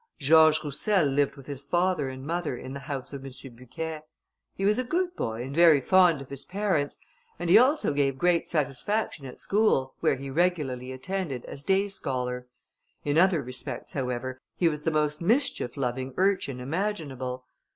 George Roussel lived with his father and mother in the house of M. Bucquet; he was a good boy, and very fond of his parents, and he also gave great satisfaction at school, where he regularly attended, as day scholar: in other respects, however, he was the most mischief loving urchin imaginable.